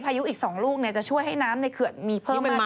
พายุอีก๒ลูกเนี่ยจะช่วยให้น้ำในเขือดมีเพิ่มมากกว่า